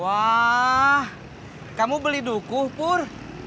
wah kamu beli dukuh pur